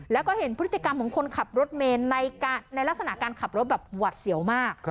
แล้วก็เห็นพฤติกรรมของคนขับรถเมนในลักษณะการขับรถแบบหวัดเสียวมาก